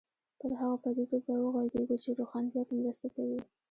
پر هغو پدیدو به وغږېږو چې روښانتیا کې مرسته کوي.